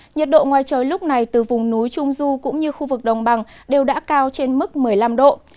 nhiệt độ ngoài trời lúc này từ vùng núi trung du cũng như khu vực đồng bằng đều đã cao trên mức một mươi năm độ